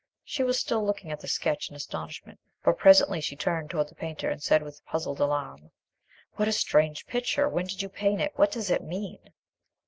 She was still looking at the sketch in astonishment; but presently she turned towards the painter, and said with puzzled alarm— "What a strange picture! When did you paint it? What does it mean?"